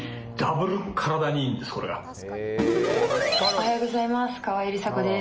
おはようございます。